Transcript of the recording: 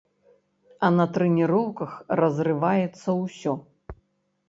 А на трэніроўках разрываецца ўсё.